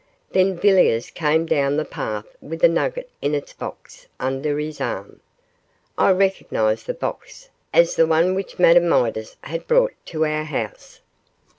Then Villiers came down the path with the nugget in its box under his arm. I recognised the box as the one which Madame Midas had brought to our house.